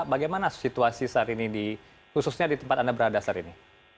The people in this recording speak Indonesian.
bagaimana situasi saat ini khususnya di tempat anda berada saat ini